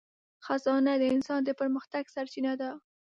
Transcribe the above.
خزانه د انسان د پرمختګ سرچینه ده.